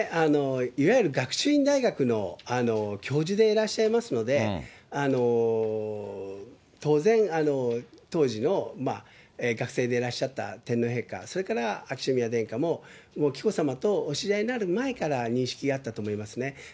いわゆる学習院大学の教授でいらっしゃいますので、当然、当時の学生でいらっしゃった天皇陛下、それから秋篠宮殿下も、紀子さまとお知り合いになる前から認識があったと思いますね。